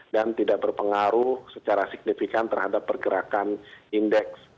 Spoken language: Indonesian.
dan tidak berpengaruh secara signifikan terhadap pergerakan indeks